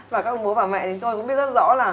và các ông bố bà mẹ thì tôi cũng biết rất rõ là